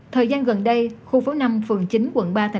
thời gian gần đây khu phố năm phường chín quận ba